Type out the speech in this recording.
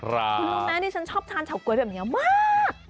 คือแม้ที่ฉันชอบทานเฉาก๊วยแบบนี้มาก